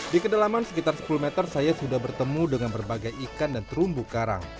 di kedalaman sekitar sepuluh meter saya sudah bertemu dengan berbagai ikan dan terumbu karang